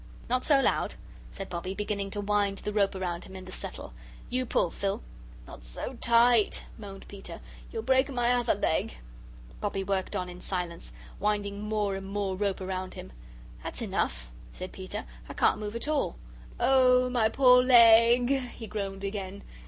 "Not so loud!" said Bobbie, beginning to wind the rope round him and the settle. "You pull, Phil." "Not so tight," moaned Peter. "You'll break my other leg." Bobbie worked on in silence, winding more and more rope round him. "That's enough," said Peter. "I can't move at all. Oh, my poor leg!" He groaned again.